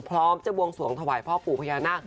พร้อมจะบวงสวงถวายพ่อปู่พญานาค